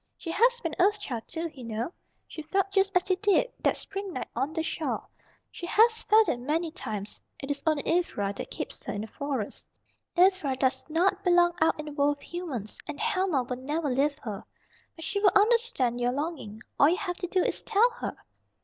She has been an Earth Child, too, you know. She felt just as you did, that spring night on the shore. She has felt it many times. It is only Ivra that keeps her in the Forest. Ivra docs not belong out in the world of humans, and Helma will never leave her. But she will understand your longing. All you have to do is tell her."